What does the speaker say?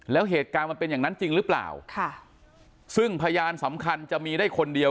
แล้วเหตุการณ์มันเป็นอย่างนั้นจริงหรือเปล่าค่ะซึ่งพยานสำคัญจะมีได้คนเดียว